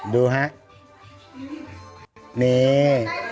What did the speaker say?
ดูจเล่น